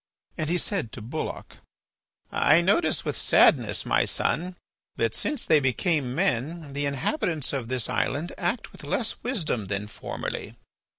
And he said to Bulloch: "I notice with sadness, my son, that since they became men the inhabitants of this island act with less wisdom than formerly.